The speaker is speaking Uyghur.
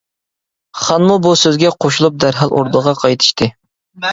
خانمۇ بۇ سۆزگە قوشۇلۇپ دەرھال ئوردىغا قايتىشتى.